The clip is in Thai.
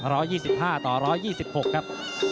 เดี๋ยวดูเลยครับ๑๒๕ต่อ๑๒๖ครับ